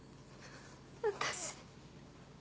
私。